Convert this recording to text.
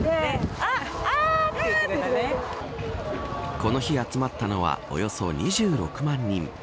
この日集まったのはおよそ２６万人。